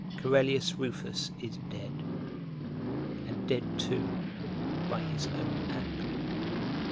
Corellius Rufus is dead; and dead, too, by his own act!